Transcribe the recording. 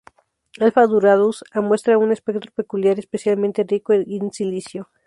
Alfa Doradus A muestra un espectro peculiar especialmente rico en silicio.